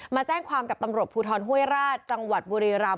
มาแจ้งความกับตำรวจภูทรห้วยราชจังหวัดบุรีรำ